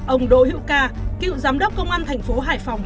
ông đỗ hữu ca cựu giám đốc công an thành phố hải phòng